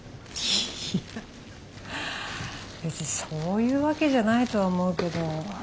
いや別にそういうわけじゃないとは思うけど。